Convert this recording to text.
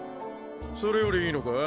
それよりいいのか？